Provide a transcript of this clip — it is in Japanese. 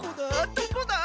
どこだ？